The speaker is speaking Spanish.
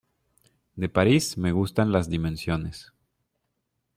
De París, me gustan las dimensiones.